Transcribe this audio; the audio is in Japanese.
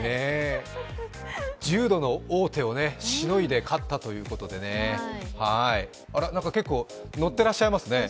１０度の王手をしのいで勝ったということですが結構、ノッてらっしゃいますね。